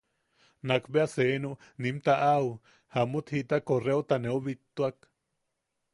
Nak be senu nim taʼaʼu jamut jita correota neu bittuak.